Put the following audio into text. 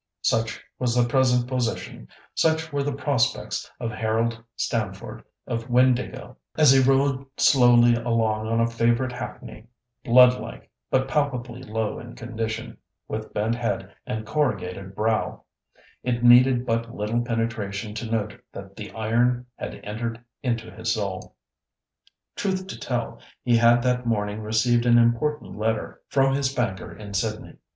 Such was the present position, such were the prospects, of Harold Stamford of Windāhgil. As he rode slowly along on a favourite hackney—blood like, but palpably low in condition—with bent head and corrugated brow, it needed but little penetration to note that the "iron had entered into his soul." Truth to tell, he had that morning received an important letter from his banker in Sydney.